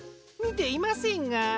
みていませんが。